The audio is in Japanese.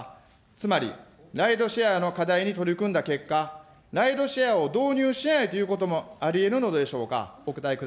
つまり、ライドシェアの課題に取り組んだ結果、ライドシェアを導入しないということもありえるのでしょうか。